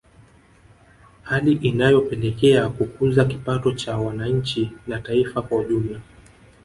Hali inayopelekea kukuza kipato cha wananchi na taifa kwa ujumla